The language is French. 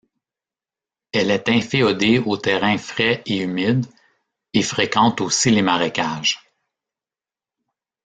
Elle est inféodée aux terrains frais et humides, et fréquente aussi les marécages.